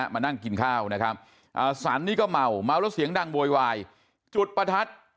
มานั่งกินข้าวนะครับสันนี่ก็เมาเมาแล้วเสียงดังโวยวายจุดประทัด